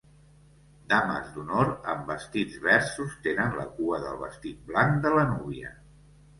Dames d'honor amb vestits verds sostenen la cua del vestit blanc de la núvia.